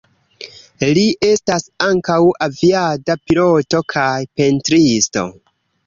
Li estas ankaŭ aviada piloto kaj pentristo.